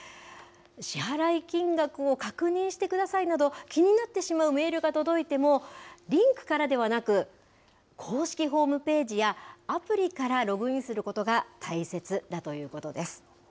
支払い金額を確認してくださいなど、気になってしまうメールが届いても、リンクからではなく、公式ホームページやアプリからログインすることが大切だということです。